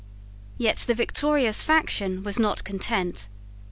Yet the victorious faction was not content.